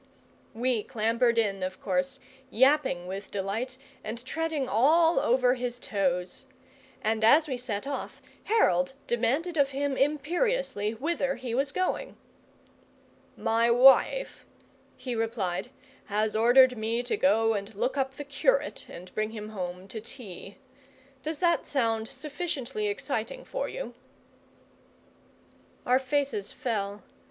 We clambered in, of course, yapping with delight and treading all over his toes; and as we set off, Harold demanded of him imperiously whither he was going. "My wife," he replied, "has ordered me to go and look up the curate and bring him home to tea. Does that sound sufficiently exciting for you?" Our faces fell.